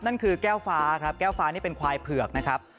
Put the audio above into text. นั่นคือแก้วฟ้าครับแก้วฟ้านี่เป็นควายเผือกนะครับ